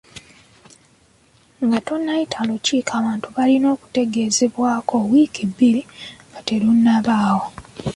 Nga tonnayita lukiiko, abantu balina okutegeezebwako wiiki bbiri nga terunnabaawo.